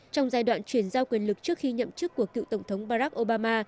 trong giai đoạn chuyển giao quyền lực trước khi nhậm chức của cựu tổng thống barack obama